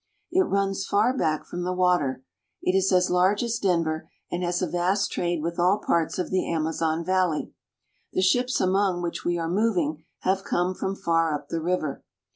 It runs far back from the water. It is as large as Denver and has a vast trade with all parts of the Amazon valley. The ships among which we are moving have come from far up the river.